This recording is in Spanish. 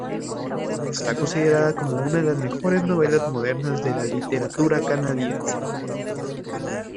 Está considerada como una de las mejores novelas modernas de la literatura canadiense.